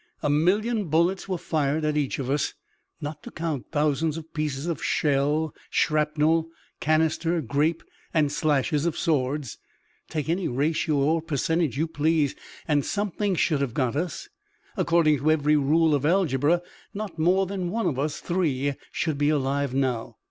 A million bullets were fired at each of us, not to count thousands of pieces of shell, shrapnel, canister, grape, and slashes of swords. Take any ratio of percentage you please and something should have got us. According to every rule of algebra, not more than one of us three should be alive now.